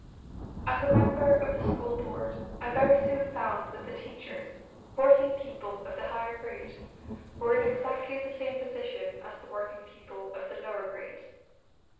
As a member of the school board I very soon found that the teachers, working people of the higher grade, were in exactly the same position as the working people of the lower grades.